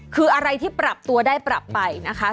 คืออะไรที่ปรับตัวได้ปรับไปนะคะ